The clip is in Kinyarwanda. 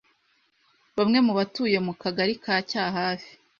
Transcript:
Bamwe mu batuye mu Kagali ka Cyahafi